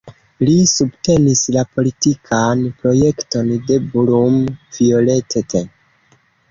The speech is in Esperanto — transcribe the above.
Li subtenis la politikan projekton de Blum-Violette.